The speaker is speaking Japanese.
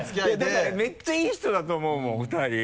だからめっちゃいい人だと思うもん２人。